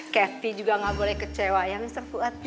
kathy juga gak boleh kecewa ya mr fuad ya